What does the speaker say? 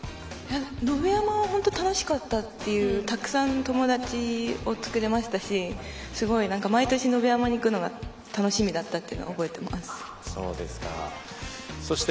野辺山は本当に楽しかったというたくさん友達作れましたしすごい毎年、野辺山に行くのが楽しみだったって覚えています。